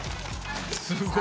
すごい。